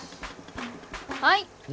はい。